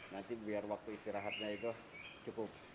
nanti biar waktu istirahatnya itu cukup